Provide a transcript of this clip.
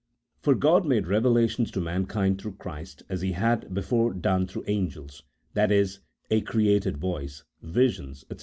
For God made revelations to mankind through Christ as He had before done through angels — that is, a created voice, visions, &c.